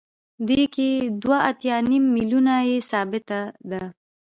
دې کې دوه اتیا نیم میلیونه یې ثابته ده